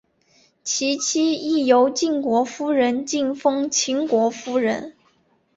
其妻亦由晋国夫人进封秦国夫人。